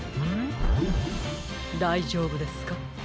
だいじょうぶですか？